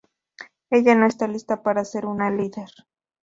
Ella no está lista para ser una líder.